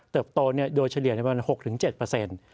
เติบโตโดเฉลี่ยในประมาณ๖๗